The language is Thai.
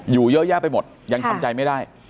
อยู่เยอะแยะไปหมดยังทำใจไม่ได้